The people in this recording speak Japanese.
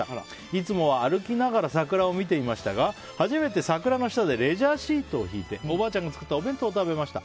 いつもは歩きながら桜を見ていましたが初めて桜の下でレジャーシートを敷いておばあちゃんが作ったお弁当を食べました。